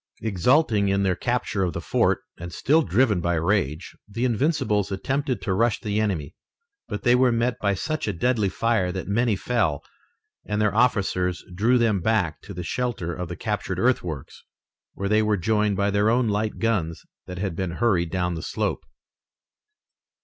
Exulting in their capture of the fort and still driven by rage, the Invincibles attempted to rush the enemy, but they were met by such a deadly fire that many fell, and their officers drew them back to the shelter of the captured earthworks, where they were joined by their own light guns that had been hurried down the slope.